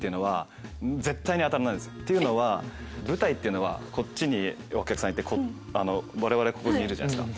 っていうのは舞台っていうのはこっちにお客さんいてわれわれここにいるじゃないですか。